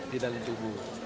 di dalam tubuh